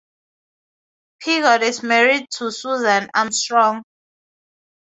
Piggott is married to Susan Armstrong.